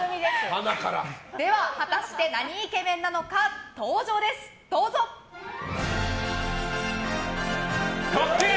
では、果たしてなにイケメンなのか、登場です。かっけえ！